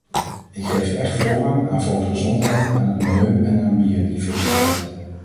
Ik geeft echt voorrang aan volksgezondheid, aan het milieu en aan biodiversiteit.